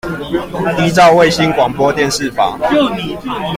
依照衛星廣播電視法